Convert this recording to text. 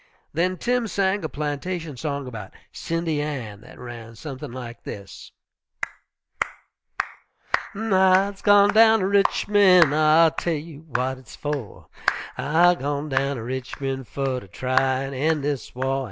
Then Tim sang a plantation song about "Cindy Ann" that ran something like this: _I'se gwine down ter Richmond, I'll tell you w'at hit's for: I'se gwine down ter Richmond, Fer ter try an' end dis war.